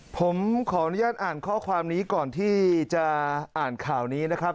ผมขออนุญาตอ่านข้อความนี้ก่อนที่จะอ่านข่าวนี้นะครับ